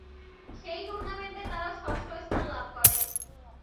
সেই টুর্নামেন্টে তারা ষষ্ঠ স্থান লাভ করে।